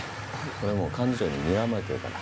俺もう幹事長ににらまれてるから。